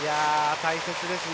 大切ですね。